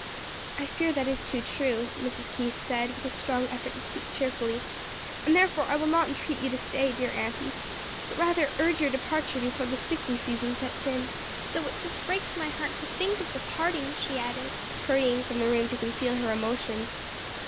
"I fear that is too true," Mrs. Keith said, with a strong effort to speak cheerfully, "and therefore I will not entreat you to stay, dear auntie; but rather urge your departure before the sickly season sets in. "Though it just breaks my heart to think of the parting!" she added, hurrying from the room to conceal her emotion.